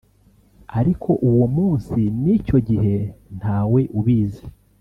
Ariko uwo munsi n’icyo gihe nta we ubizi